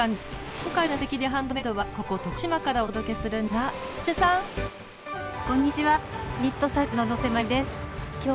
今回の「すてきにハンドメイド」はここ徳島からお届けするんですが能勢さん！